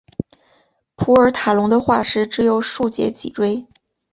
普尔塔龙的化石只有数节脊椎。